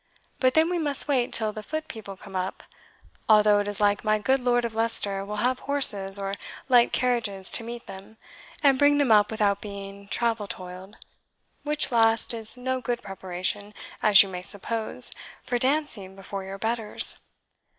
But then we must wait till the foot people come up; although it is like my good Lord of Leicester will have horses or light carriages to meet them, and bring them up without being travel toiled, which last is no good preparation, as you may suppose, for dancing before your betters.